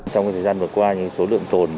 trong thời gian vừa qua số lượng tồn